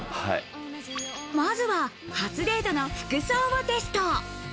まずは初デートの服装をテスト。